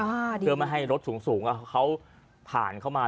เพื่อไม่ให้รถสูงเขาผ่านเข้ามา